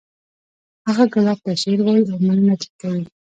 هغه ګلاب ته شعر وایی او مننه ترې کوي